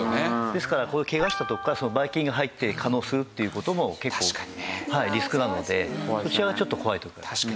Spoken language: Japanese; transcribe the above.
ですからこういうケガしたとこからばい菌が入って化膿するっていう事も結構リスクなのでそちらがちょっと怖いと。